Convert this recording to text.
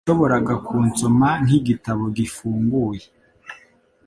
Yashoboraga kunsoma nkigitabo gifunguye.